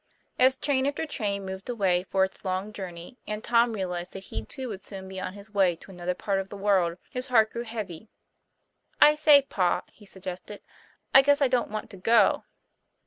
As train after train moved away for its long jour ney, and Tom realized that he too would soon be on his way to another part of the world, his heart grew heavy. "I say, pa," he suggested, "I guess I don't want to go."